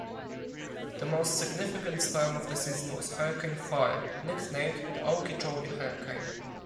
The most significant storm of the season was Hurricane Four, nicknamed the Okeechobee hurricane.